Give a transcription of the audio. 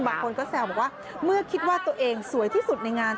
บางคนก็แซวบอกว่าเมื่อคิดว่าตัวเองสวยที่สุดในงาน